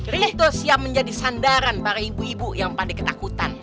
ricto siap menjadi sandaran para ibu ibu yang pada ketakutan